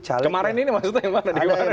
caleg kemarin ini maksudnya ada yang